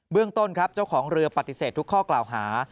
เรื่องต้นครับเจ้าของเรือปฏิเสธทุกข้อกล่าวหา